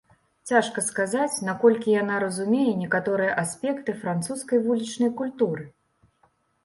Цяжка сказаць, наколькі яна разумее некаторыя аспекты французскай вулічнай культуры.